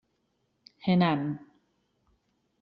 Henan.